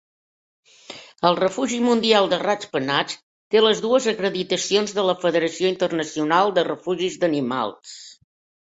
El refugi mundial de rats-penats té les dues acreditacions de la Federació internacional de refugis d'animals.